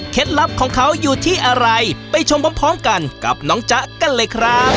ลับของเขาอยู่ที่อะไรไปชมพร้อมกันกับน้องจ๊ะกันเลยครับ